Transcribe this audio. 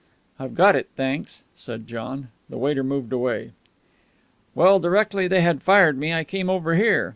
"I've got it, thanks," said John. The waiter moved away. "Well, directly they had fired me, I came over here.